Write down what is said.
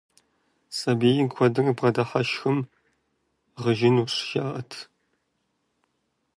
Сабийр куэдрэ бгъэдыхьэшхым, гъыжынущ, жаӀэрт.